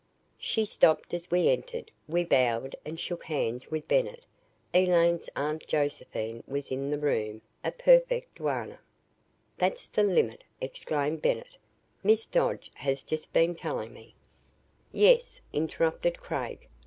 She stopped as we entered. We bowed and shook hands with Bennett. Elaine's Aunt Josephine was in the room, a perfect duenna. "That's the limit!" exclaimed Bennett. "Miss Dodge has just been telling me, " "Yes," interrupted Craig.